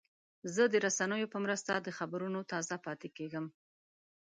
زه د رسنیو په مرسته د خبرونو تازه پاتې کېږم.